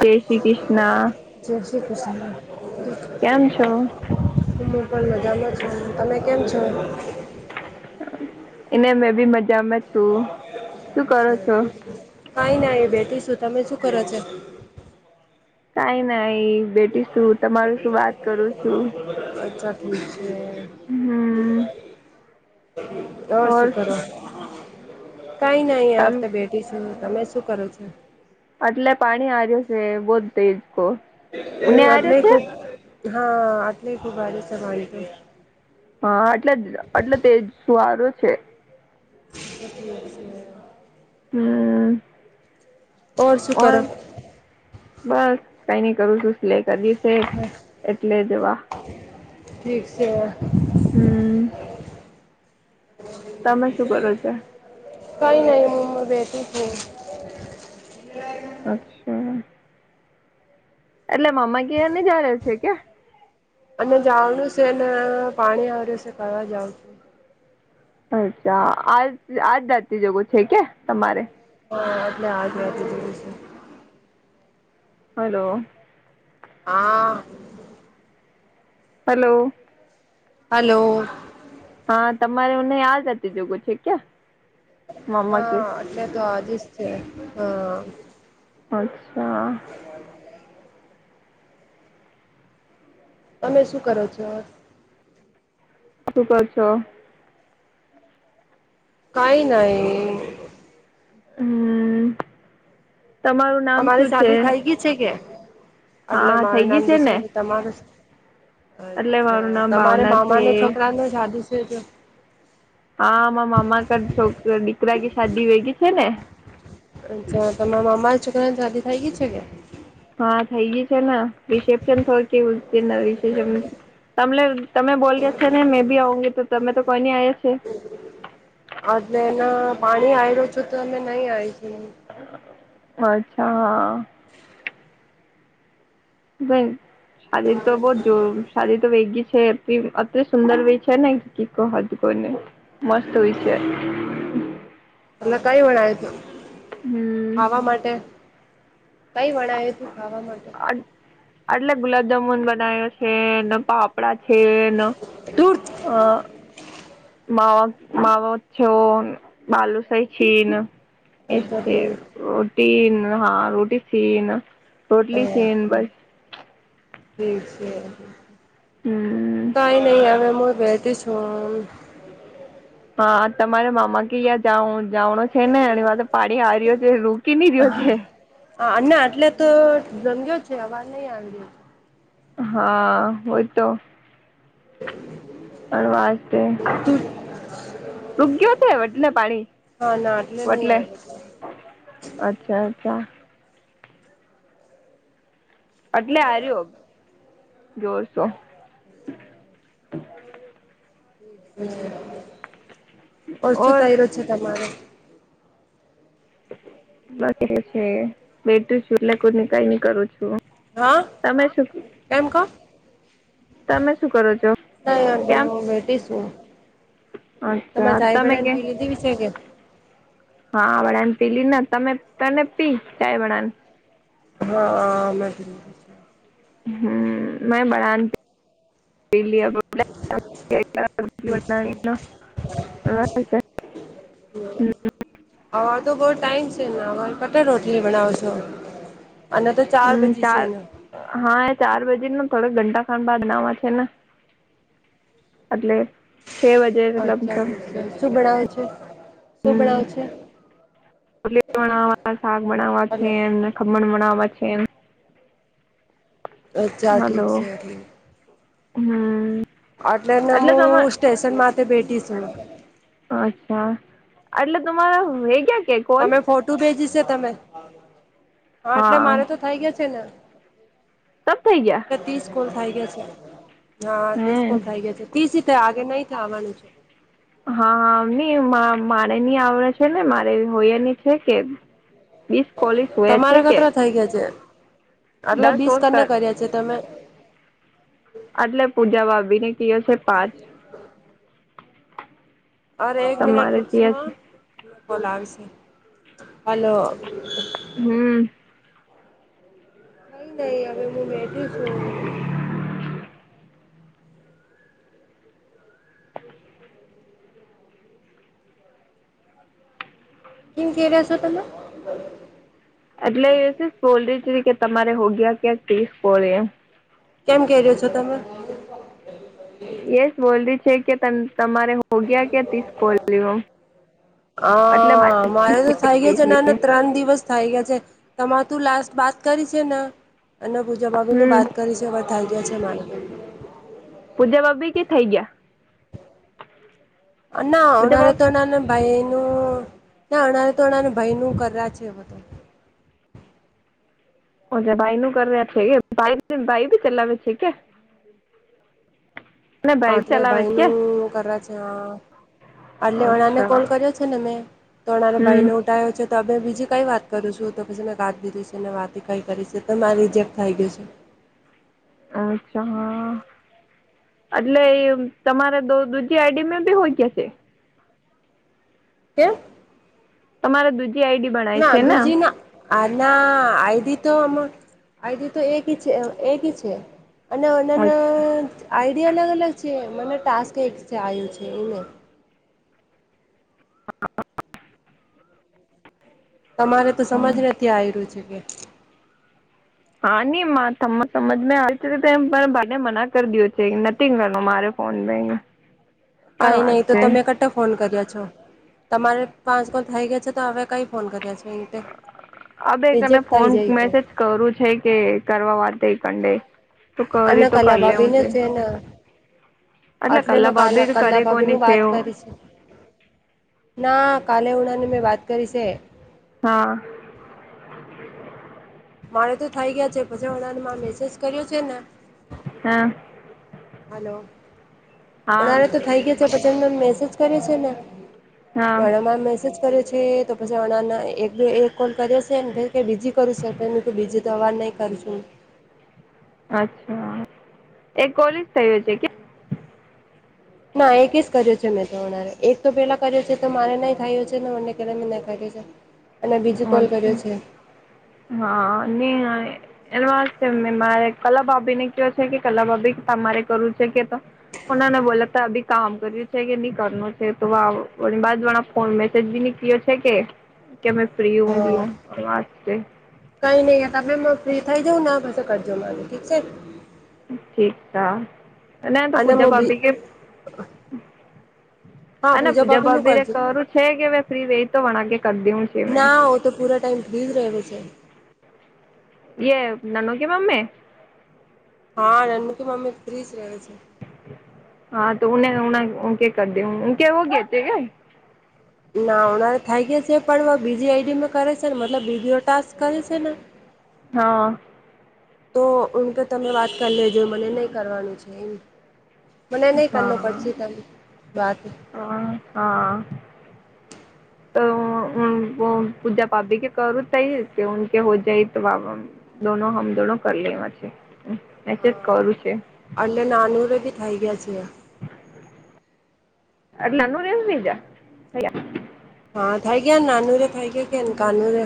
જય શ્રી કૃષ્ણા જય શ્રી કૃષ્ણ કેમ છો? હું હું પણ મજામાં છું તમે કેમ છો? એને મેં બી મજામાં છું શું કરો છો? કાઈ નઈ બેઠી શું તમે શું કરો છો? કઈ નાઈ બેટી શું તમારું શું વાત કરું છું અચ્છા ઠીક છે. હમ ઓર શું કરો કઈ નઈ તમ તો બેઠી છું તમે શું કરો છો? એટલે પાણી હર્યું છે બહ તેજકો હ આટલે ખૂબ હા આટલે ખૂબ વારીસ તમારી હા એટલે એટલે તેજ સવારું છે. [unintelligible] હમ તો ઓર શું ઓન કરો બસ કઈ નહી કરું છું લે કર દશ તે જ બસ એટલે જવા ઠીક છે. હમ તમે શું કરો છો? કઈ નહી હું બેઠી છું. અચ્છા એટલે મામા ની ઘરે ની જારે છે કે અને જાવનું છે ને પાણી આવ્યું છે કરવા જાઉં છું. અચ્છા આજ આજ જાતીજગો છેકે તમારે હા એટલે [unintelligible] છે. હલો હા હલો હલો હા તમારે મને યા જતી જગું છે ક્યા હા, એટલે તો આજીસ છે હા. અચ્છા. તમે શું કરો છો? શું કો છો? કાંઈ નઈ. હમ્મ. તમારે શાદી થઈ ગઈ છે કે? અટલે હા મારું થઈ ગઈ નામ છે દિશા ને તમારું શ. એટલે અચ્છા. મારું નામ તમારે ભાવના છે મામાને છોકરાને શાદી છે કે? હા માર મામા કર છોકરા દીકરા કે શાદી વેગી છે ને. અચ્છા, તમાર મામા છોકરાન શાદી થઇ ગઈ છે કે? હા થઈ ગઈ છે ને. રિસેપ્શન થો કે ઉસ દિન રિસેપ્શન તમલે તમે બોલ્યો છે ને મેં ભી આઉંગી તો તમે તો કોઈ ની આયા છે. અટલે એના પાણી આઈ રયું છે તો અમે નઈ આઈ છે. અચ્છા હા. ભઈ શાદી તો બોઉ જોર, શાદી તો વેગી છે પિમ અતિસુંદર વી છે ને કી કો હદ કોને! મસ્ત હોય છે તલા કઈ વણાય તે? હમ ખાવા માટે. કઈ વણાઈ તી ખાવા માટે? આટ આટલા ગુલાબજામુન બનાયો છ છે ન, પાપડા છે ન, અ - દૂર માવા માવો છો ન, બાલુસાહી છીન, એ સ છે. રોટીન હા રોટી થી ન. રોટલી થી ન બસ ઈ છે ન. હું. કંઈ નઈ હવે મુય બેઠી છું ન. અ તમારે મામા કી યાં જાઉં જાવનો છે ને એની વાતો પાડી હારિઓ છે, રુકી ની રહ્યો છે. અ ના એટલે તો જંગ્યો છે, અવાજ નઈ આવી રહ્યો છે. હા હોય તો પર વાસ્તે તુગ્યો તે વટલે પાણી હા ના એટલે નહી વટલે. આવ્યો અચ્છા અચ્છા. અટલે આર્યો જોરશો ઓછું ઓર થઈ ર્યું છે તમારે. બસ એ છે. બેઠી છું એટલે કોની કઈ ની કરું છું. હાન, તમે શું કેમ કો? તમે શું કરો છો કંઈ આગે કેમ મું બેઠી સુ. તમે અચ્છા ચાઈ બનાઈન કે પી લીધીવી છે કે? હા, વડાન પી લી ના તમે તને પી ચાઈ વડાન. હા. [inaudible] હમ્મ. મે બડાન પી લિયા કર અચ છે [inaudible] [inaudible] હું. હતો બહું ટાઈમ છે, ને હવે કટર રોટલી બનાવ છો અને તો હું બજી છે ચાર ને હા એ ચાર બજે થોડક ઘંટા ખાંડ બાદ નામાં છે, ને એટલે છે બજે અચ્છા લમસમ શું ભણવે છે, શું ભણાવે છે. લીણાવાટણ શાક બનાવવા છે, હલો એમને ખમણ બણાવવા છે, એમ અચ્છા ઠીક છે હું અટલે નેમું સ્ટેશન માથે બેઠી છું અચ્છા એટલે તમારા વે ગયા કંક તમે ફોટું ભેજી છે તમે હા એટલે મારે તો થઈ ગયા છે ને તબ થઈ ગયા ત્રીસલ થાય ગયા છે હા ત્રીસ હમ કોલ થઈ ગયા છે ત્રીસ રીતે આગે નહી થ આવવાનું છે. [unintelligible] હા હા મારે નની આવડે છે ને મારે હોયયાની છે કે વીસ કોલીસ હોય છે તમારા કે કતરા થઈ ગયા છે આટલે દસ બીસ ઓર કરને કર્યા છે તમે આટલે પૂજા ભાભીને કયો છે પાંચ અરે એક મિનિટ તમારે પૂછશો કયા હ છે કોલ આવશે હલો હમ કઈ નહી હવે હું બેઠી છું. કેમ કેવા છો તમે એટલે બોલ્રી કે તમારે હો ગયા ક્યાંક ત્રીસ કોળ એમ કેમ કે્યો છો તમે યસ બોલ છે કે તમારે હો ગયા કે [unintelligible] કોલ હ એટલે મારે તો થઇ ગય છે નેના ત્રણ દિવસ થઈ ગયા છે તમારે તું લાસ્ટ બાત કરી છે ને અને પૂજાભાભી ન હમ બાત કરી છે. [unintelligible] થાય ગયા છે મારે પૂજાભાભી કે થઈ ગયા ના પૂજા અમારે ભાભી તો ના ભાઈનું ના અણારે તો અણા ભાઈનું કર્યા છે એ બધું ભાઈ નું કર્યુઁ એટલે એમ ભાઈ બી ચલાવે ઠીક [inaudible] અટલે ચલાવે છે કે ભાઈનું કદાચ છ એટલે અણાને અચ્છા કોલ કર્યો છે ને મેં તો અણા હમ ભાઈને છે તો અમે બીજી કઈ વાત કરું છું તો પછી મેં કાઢ લીધું છે ને વાત કઈ કરી છે તો મા રિજેક્ટ થઈ ગયું છે. અચ્છા હા એટલે એ તમારે દૂસરી આઈડી મે બી હોય ગયા છે. ક્યા તમારે દૂજી આઈડી બનાય ના છે ને દૂજી ના આ ના આઈડી તો આઈડી તો એક છે એકી છે. અને અચ્છા એનાના આઈડિયા અલગ અલગ છે મને ટાસ્ક એક છે આવ્યું છે એને [unintelligible] તમારે તો હમ સમજ નથી આવી્યું છે કે [unintelligible] હમ કઈ નહી તો તમે કટ ફોન કર્યા છો તમારે પાંચ કોલ થઈ ગયા છે તો હવે કંઈ ફોન કર્યા છો? ઈટે અબે કને રિજેક્ટ થાય ફોન જાય ઈકે. મેસેજ કરું છે કે કરવા વાતઈ કંડે. તો કરી અનેના તો કર કલા લેવું ભાવીને છે ના. એટલે કલા મેં ભાભી તો કલા-કલલા કરે ભાભી કોની નું છે વાત એવું કરીશું. ના કાલે ઉડાની મેં વાત કરી છે. હા. મારે તો થઈ ગયા છે પછી વળને મા મેસેજ કર્યો છે ના હા. હલો પણ હા અરે તો થઇ ગયા છે પછી એમને મેસેજ કર્યો છે ને હા મારા માં મેસેજ કર્યો છે તો પછી હણાને એક બે એક કોલ કર્યો છે નેે બીજી કરું છે પે હું તો બીજી તો અવાર નહીં કરું છું. અચ્છા એ કોલેજ થયો છે કે ના એક જ કર્યો છે મેં તોરે એક તો પેલા કર્યો છે તો મારે નહી થાયું છે ને મનેલા મેં નહીં કર્યું છે. છે. અને બીજું કોલ અચ્છા કર્યો હા ને આ એ એ વાલ છે મેં મારે કલા ભાભી ને કયો છે કે કલા ભાભી તમારે કરવું છે કે તો પોનાને બોલાતા અભી કામ કર્યું છે કે નહી કરનું છે તો ઓલું બાજુ વાળા ફોન મેસેજ બી નીકળ્યો છે કે કે મેં ફ્રી હો હા ગીયુ વાત છે. કઈ નઈ તમે મ ફ્રી થઇ જઉં ને આ પછી કરજો મને ઠીક છે? ઠીક હા અને ના તો પૂજા હું બી ભાભી કે હા અને પૂજા નું ભાભી રે કરજો કરું છે કે મે ફ્રી રે તો વણાકે કર દેવું ના ઓ તો પૂરા ટાઈમ ફ્રીજ રહવે છે. એ નનુ કે મમ્મે? હા નનનું કી મમ્મી ફ્રી જ રહવે છે. હા તો ઉને ઉને ઉ કે કર દે ઉ કે હો ગયે થે ગે. ના ઉનારે થાય ગઈ છે પણ બીજી આઈડી માં કરે છે ને મતલબ વિડિઓ ટાસ્ક કરે છે ને. હા. તો ઉન કે તમે વાત કરી લેજો મને નહી કરવાનું છે એમ. મને નહી કરનું પરચી તમને વાત. હ હા તો હમ્મ વો પૂજા ભાભી કે કરું તૈ કે કે હો જાય તો વાવ હમ્મ. દોનો હમ દોનો કર લેવા છે. મેસેજ હા કરું છે અલે નાનુર ભી થઈ ગયા છે. અરે નાનું ને થઈ ગયા થઈ ગયા. હા, થાય ગયા નાનું રે થાઈ ગયા કેન કાનુ રે.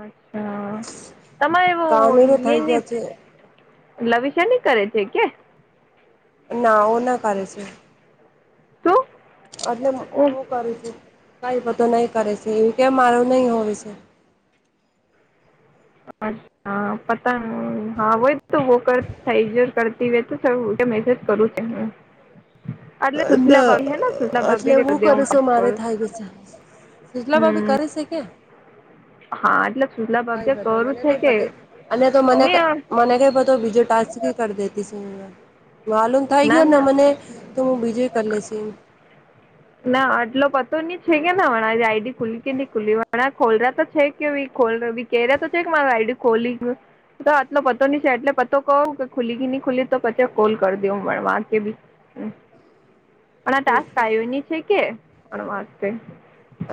અચ્છા તમારે એવું કાનુરે યે થઈ ની ગયા છે. લવીશા ની કરે છે કે? ના ઓ ના કરે છે. શું? એટલે ઓ હું કરું છું કાંઈ બધું નહીં કરે છે એવું કેમ મારું નહીં હોવે છે. હ હા. હા પતા હા હોય તો વો થઈ ગયો કરતી હોય તો કે મેસેજ કરું છે હું. [inaudible] એટલે સુશલા ના. ભાભી હે ને સુશલા એટલે ભાભી ને હું કરી દે કરું સું, પાંચ મારે કોલ થઈ ગયું સે. [unintelligible] ભાભી હમ કરે સે કે? હા. એટલે સુલાભાભી [unintelligible] તો મને નહીં [unintelligible] એને તો મને કે ના મને કે પતો બીજે ટાસ્ક બી કર દેતી સે. માલુમ થઈ ગયોને ના મને, તો હું બીજુંઈ કર લેશી. [inaudible] ના આટલો પતો ની છે ના હમણાં જ આઈડી ખુલી કે નહીં ખુલી [unintelligible] કેરા તો છે કે મારું આઈડી ખોલી ગયું. તો આટલો પતો ની છે એટલે પતો કહોન કે ખુલી કી ની ખુલી, તો પછે કોલ કર [unintelligible] પણ આ ટાસ્ક આયુ ની છે કે [unintelligible]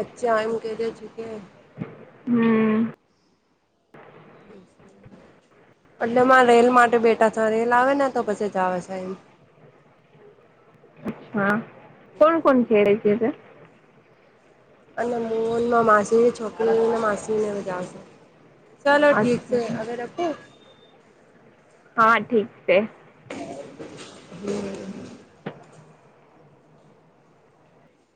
અચ્છા. એમ [unintelligible] હમ્મ. [inaudible] એટલે મા રેલ માટે બેઠા છે, રેલ આવે ને તો પછી જાવે છે એમ. હા. કોણ-કોણ [unintelligible] અને મોહનમાં માસીની છોકરી ને માસીને બધા આવશે. ચાલો ઠીક છે. અચ્છા હવે રખું? હા ઠીક છે. હમ્મ.